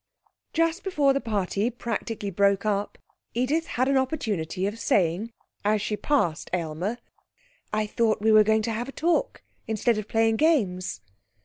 Just before the party practically broke up, Edith had an opportunity of saying as she passed Aylmer: 'I thought we were going to have a talk instead of playing games?'